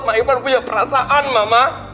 mak ivan punya perasaan mama